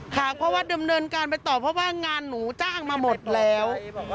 ค่ะเพราะว่าดำเนินการไปต่อเพราะว่างานหนูจ้างมาหมดแล้ว